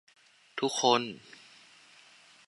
ทุกคน